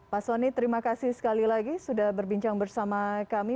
pak soni terima kasih sekali lagi sudah berbincang bersama kami